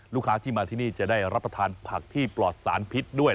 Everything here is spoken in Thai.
ลูกค้าที่มาที่นี่จะได้รับประทานผักที่ปลอดสารพิษด้วย